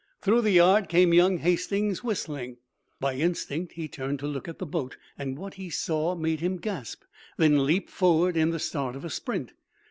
Through the yard came young Hastings, whistling. By instinct he turned to look at the boat, and what he saw made him gasp, then leap forward in the start of a sprint.